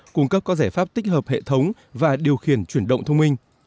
cung cấp các giải pháp tích hợp hệ thống và điều khiển chuyển động thông minh